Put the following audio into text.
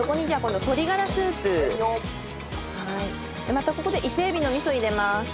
またここで伊勢エビのミソ入れます。